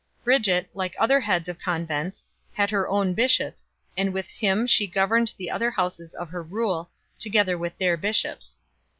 Bridget, like other heads of con vents, had her own bishop, and with him she governed the other houses of her rule, together with their bishops.